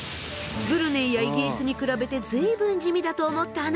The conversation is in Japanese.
ブルネイやイギリスに比べて随分地味だと思ったあなた。